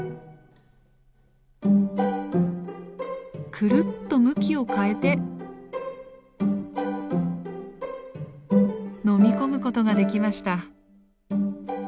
くるっと向きを変えて飲み込むことができました。